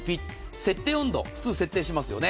設定温度、普通設定しますよね。